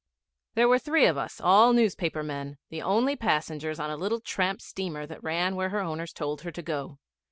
There were three of us, all newspaper men, the only passengers on a little tramp steamer that ran where her owners told her to go.